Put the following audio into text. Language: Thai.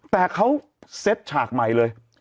แต่เขาเซ็ตฉากใหม่เลย